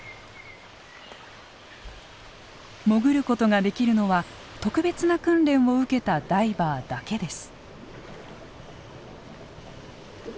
潜ることができるのは特別な訓練を受けたダイバーだけです。